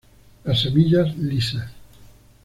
Las semillas lisas.